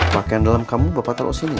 pakaian dalam kamu bapak taruh sini ya